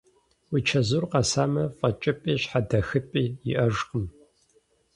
Уи чэзур къэсамэ, фӀэкӀыпӀи щхьэдэхыпӀи иӀэжкъым…